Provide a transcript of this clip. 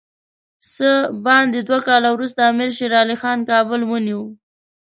څه باندې دوه کاله وروسته امیر شېر علي خان کابل ونیوی.